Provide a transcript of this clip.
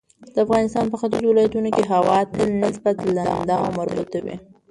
د افغانستان په ختیځو ولایتونو کې هوا تل نسبتاً لنده او مرطوبه وي.